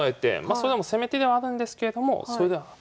それでも攻め手ではあるんですけれどもそれでは。